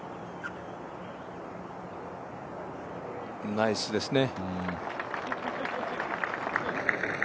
ナイスですね。